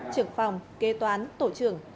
trưởng phòng kê toán tổ trưởng